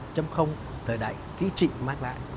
thời đại kỹ trị mát lại